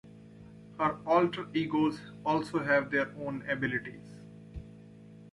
Her alter egos also have their own abilities.